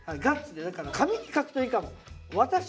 だから紙に書くといいかも。